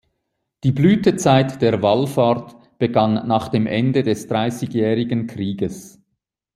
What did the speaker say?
Die Blütezeit der Wallfahrt begann nach dem Ende des Dreißigjährigen Krieges.